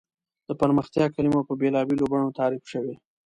د پرمختیا کلیمه په بېلابېلو بڼو تعریف شوې.